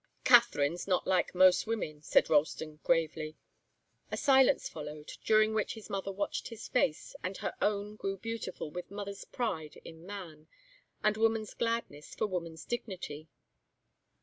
"Katharine's not like most women," said Ralston, gravely. A silence followed, during which his mother watched his face, and her own grew beautiful with mother's pride in man, and woman's gladness for woman's dignity.